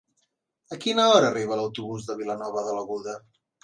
A quina hora arriba l'autobús de Vilanova de l'Aguda?